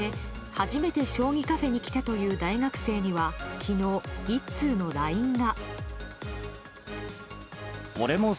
初めて将棋カフェに来たという大学生には昨日１通のＬＩＮＥが。